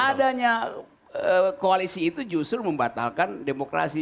adanya koalisi itu justru membatalkan demokrasi